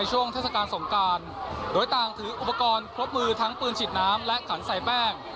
ช่วงเทศกาลสงการโดยต่างถืออุปกรณ์ครบมือทั้งปืนฉีดน้ำและขันใส่แป้ง